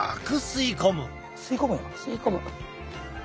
吸い込む！